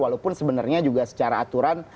walaupun sebenarnya juga secara aturan